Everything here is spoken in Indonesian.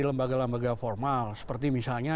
lembaga lembaga formal seperti misalnya